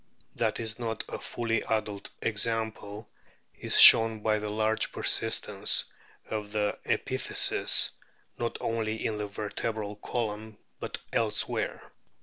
* That it is not a fully adult example is shown by the large persistence of the epiphyses, not only in the vertebral column but else where.